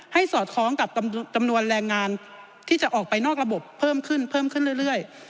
ให้สอดคล้องกับจำนวนแรงงานที่จะออกไปนอกระบบเพิ่มขึ้นเรื่อย